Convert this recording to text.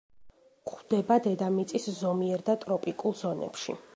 გვხვდება დედამიწის ზომიერ და ტროპიკულ ზონებში.